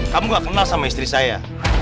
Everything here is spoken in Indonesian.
kamu gak kenal sama istri saya